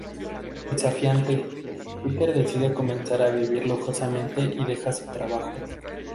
Desafiante, Peter decide comenzar a vivir lujosamente, y deja su trabajo.